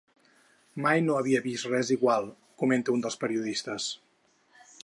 Mai no havia vist res igual, comenta un dels periodistes.